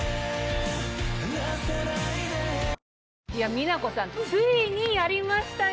美奈子さんついにやりましたよ！